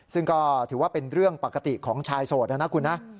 ซึ่งก็ถือว่าเป็นเรื่องปกติของชายโสดนะนะคุณนะ